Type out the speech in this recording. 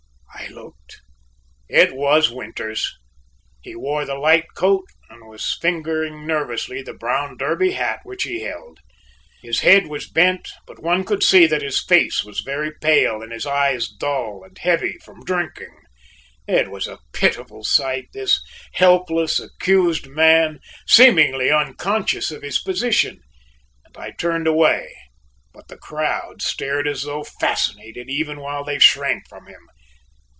I looked; it was Winters! He wore the light coat and was fingering nervously the brown derby hat which he held. His head was bent, but one could see that his face was very pale and his eyes dull and heavy from drinking. It was a pitiful sight, this helpless accused man, seemingly unconscious of his position, and I turned away; but the crowd stared as though fascinated even while they shrank from him.